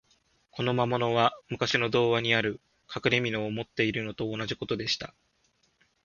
この魔物は、むかしの童話にある、かくれみのを持っているのと同じことでした。